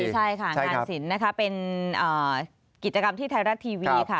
ใช่ค่ะงานศิลป์นะคะเป็นกิจกรรมที่ไทยรัฐทีวีค่ะ